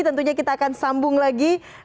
tentunya kita akan sambung lagi